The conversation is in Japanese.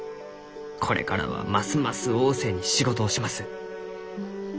これからはますます旺盛に仕事をします。